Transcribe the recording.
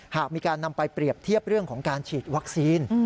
หากมีการนำไปเปรียบเทียบเรื่องของการฉีดวัคซีน